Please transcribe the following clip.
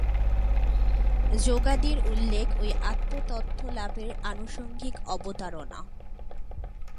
যোগাদির উল্লেখ ঐ আত্মতত্ত্বলাভের আনুষঙ্গিক অবতারণা।